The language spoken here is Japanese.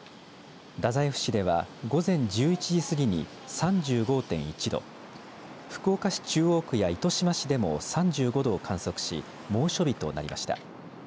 太宰府市では午前１１時過ぎに３５．１度福岡市中央区や糸島市でも３５度を観測し猛暑日となりました。